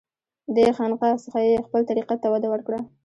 دې خانقاه څخه یې خپل طریقت ته وده ورکړه.